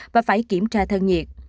và phải kiểm tra thân nhiệt